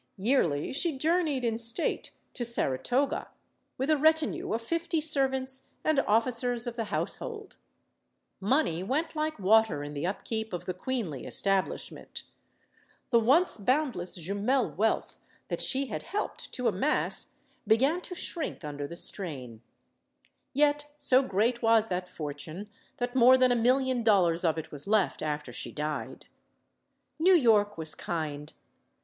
Yearly she journeyed in state to Sara toga, with a retinue of fifty servants and "officers of the household." Money went like water in the upkeep of the queenly establishment. The once boundless Jumel wealth that she had helped to amass began to shrink under the 114 STORIES OF THE SUPER WOMEN strain. Yet so great was that fortune that more than a million dollars of it was left after she died. New York was kind.